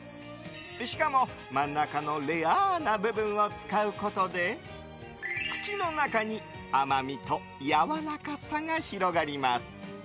しかも、真ん中のレアな部分を使うことで口の中に甘みとやわらかさが広がります。